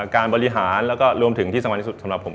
การบริหารแล้วก็รวมถึงที่สำคัญที่สุดสำหรับผม